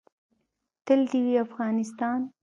تل دې وي افغانستان؟